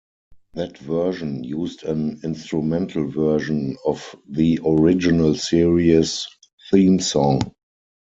That version used an instrumental version of the original series' theme song.